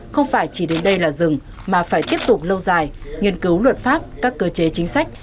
không phải chỉ đến đây là dừng mà phải tiếp tục lâu dài nghiên cứu luật pháp các cơ chế chính sách